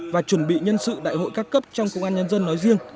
và chuẩn bị nhân sự đại hội các cấp trong công an nhân dân nói riêng